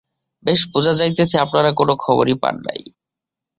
বেশ বুঝা যাইতেছে, আপনারা কোনো খবরই পান নাই।